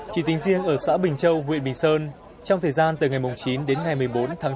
chỉ tính riêng ở xã bình châu huyện bình sơn trong thời gian từ ngày chín đến ngày một mươi bốn tháng chín